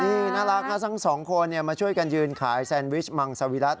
คุณเป็นค่าสังสองคนนี้มาช่วยกันยื่นขายแซนวิชมังซาวิลัท